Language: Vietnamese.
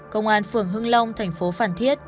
công an phường hưng long thành phố phản thiết